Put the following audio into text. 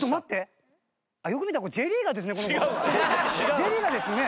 Ｊリーガーですね？